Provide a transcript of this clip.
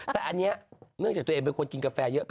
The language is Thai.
แต่อันนี้เนื่องจากตัวเองเป็นคนกินกาแฟเยอะ